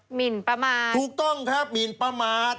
หมินประมาทถูกต้องครับหมินประมาท